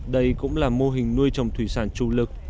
đây cũng là mô hình nuôi trồng thủy sản chủ lực